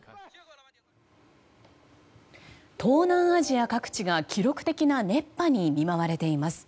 東南アジア各地が記録的な熱波に見舞われています。